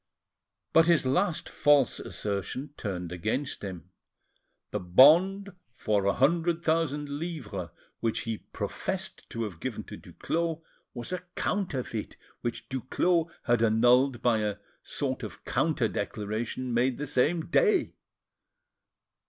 But his last false assertion turned against him: the bond for a hundred thousand livres which he professed to have given to Duclos was a counterfeit which Duclos had annulled by a sort of counter declaration made the same day.